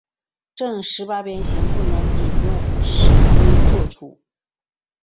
正十八边形不能仅用尺规作出。